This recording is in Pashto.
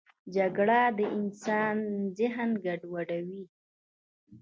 جګړه د انسان ذهن ګډوډوي